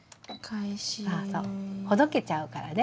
そうそうほどけちゃうからね。